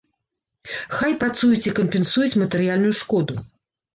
Хай працуюць і кампенсуюць матэрыяльную шкоду.